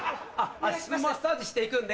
足のマッサージしていくんで。